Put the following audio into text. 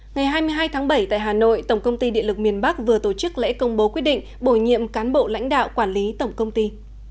ngày hai mươi hai tháng bảy tại hà nội tổng công ty điện lực miền bắc vừa tổ chức lễ công bố quyết định bổ nhiệm cán bộ lãnh đạo quản lý tổng công ty